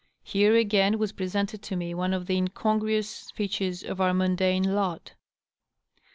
Here again was presented to me one of the incongruous features of our mundane lot.